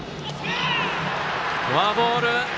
フォアボール。